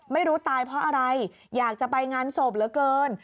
ไม่รู้ตายเพราะอะไรอยากจะไปงานศพเหลือเกิน